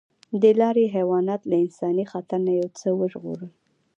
دې لارې حیوانات له انساني خطر نه یو څه وژغورل.